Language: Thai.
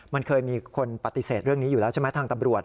มันเคยมีคนปฏิเสธเรื่องนี้อยู่แล้วใช่ไหมทางตำรวจ